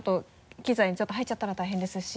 機材にちょっと入っちゃったら大変ですし。